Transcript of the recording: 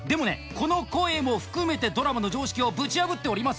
この声も含めてドラマの常識をぶち破っております